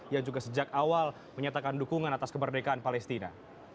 yang juga sejak awal menyatakan dukungan atas kemerdekaan palestina